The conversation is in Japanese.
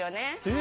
え